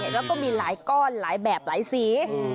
แล้วก็มีหลายก้อนหลายแบบหลายสี